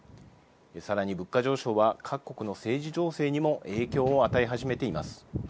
さらに物価上昇は各国の政治情勢にも影響を与え始めています。